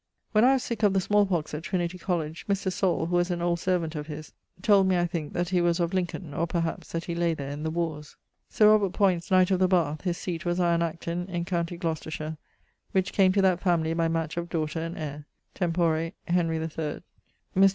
When I was sick of the smallpox at Trinity College, Mr. Saul, who was an old servant of his, told me I thinke that he was of Lincoln (or, perhaps, that he lay there in the warres). Sir Robert Poynts, knight of the Bath; his seate was Iron Acton, in com. Gloc., which came to that family by match of daughter and heire, tempore Hen. III. Mr.